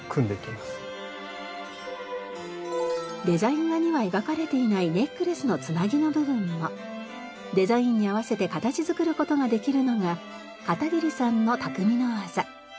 デザイン画には描かれていないネックレスの繋ぎの部分もデザインに合わせて形作る事ができるのが片桐さんの匠の技。